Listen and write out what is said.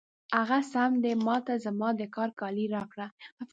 هغه سم دی، ما ته زما د کار کالي راکړه.